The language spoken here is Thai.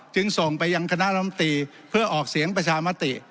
จึงส่งไปยังคณะลำตีเพื่อออกเสียงประชามติ